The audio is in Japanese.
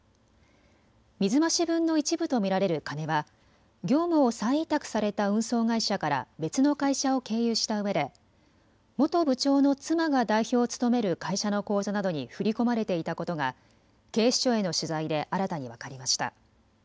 水増し分の一部と見られる金は業務を再委託された運送会社から別の会社を経由したうえで元部長の妻が代表を務める会社の口座などに振り込まれていたことが警視庁への取材で新たに分かりました。